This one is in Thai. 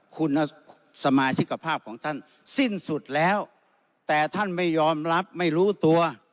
คุณสมาชิกภาพของท่านสิ้นสุดแล้วแต่ท่านไม่ยอมรับไม่รู้ตัว